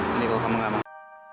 nanti kalau kamu gak makan